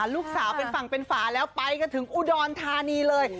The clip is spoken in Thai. ลูกสาวเป็นฝั่งเป็นฝาแล้วไปกันถึงอุดรธานีเลย